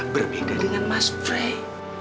berbeda dengan mas pray